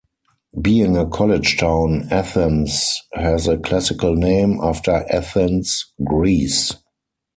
Being a college town, Athens has a classical name, after Athens, Greece.